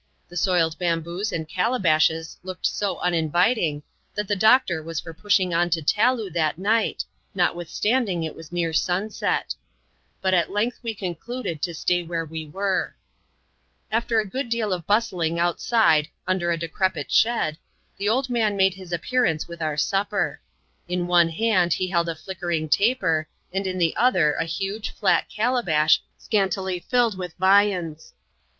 The soiled bamboos and calabashes looked so uninviting,, that the doctor was for pushing on to Taloo that night, not withstanding it was near sunset. But at length we concluded to stay where we were. A/J^ a good deal ot bustling o\itdd<& \xii4et ^ ^'W2t«^\\» ^^^ X 2 276 ADVENTURES IN THE SOUTH SEAS. [ceap.£xzil the old man made his appearance with our supper. In one hand he held a flickering taper, and in the other a huge, flat calabash, scantily filled with viands.